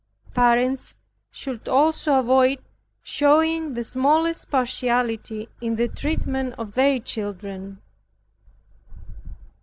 Parents should also avoid showing the smallest partiality in the treatment of their children.